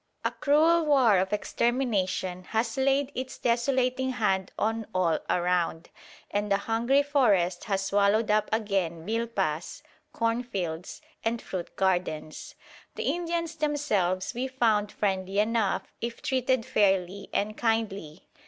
A cruel war of extermination has laid its desolating hand on all around, and the hungry forest has swallowed up again milpas (cornfields) and fruit gardens. The Indians themselves we found friendly enough if treated fairly and kindly.